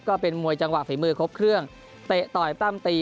ก็เป็นมวยจังหวะฝีมือครบเครื่องเตะต่อยปั้มตี